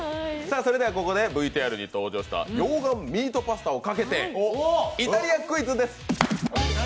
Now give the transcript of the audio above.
ここでＶＴＲに登場した溶岩ミートパスタをかけてイタリアクイズです！